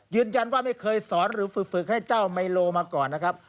ไม่เคยสอนหรือฝึกให้เจ้าไมโลมาก่อนนะครับ